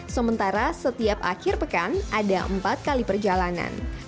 sementara setiap akhir pekan ada empat kali perjalanan